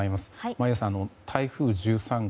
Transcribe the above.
眞家さん、台風１３号